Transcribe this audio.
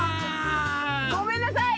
ごめんなさい！